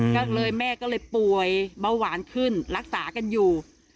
ก็เลยแม่ก็เลยป่วยเบาหวานขึ้นรักษากันอยู่